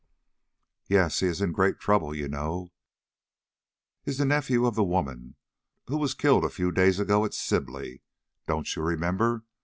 "Yes, he is in great trouble, you know; is the nephew of the woman who was killed a few days ago at Sibley, don't you remember?